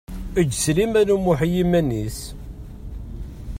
Eǧǧ Sliman U Muḥ i yiman-is.